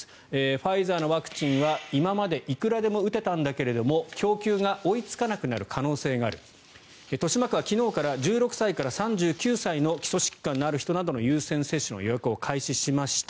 ファイザーのワクチンは今までいくらでも打てたんだけれども供給が追いつかなくなる可能性がある豊島区は昨日から１６歳から３９歳の基礎疾患のある人などの優先接種の予約を開始しました。